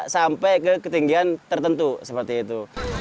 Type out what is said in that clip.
sampai ke ketinggian tertentu seperti itu